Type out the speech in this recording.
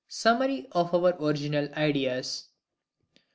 Summary of our Original ideas.